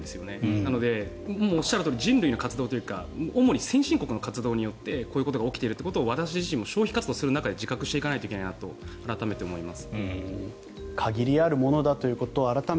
なので、おっしゃるとおり人類の活動というか主に先進国の活動によってこういうことが起きているということを私自身も消費活動をしていく中で自覚しないといけないなと改めて思います。